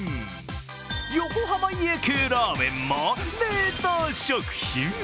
横浜家系ラーメンも冷凍食品。